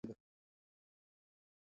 افغانستان د اقلیم له پلوه متنوع دی.